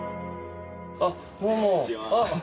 あっどうも。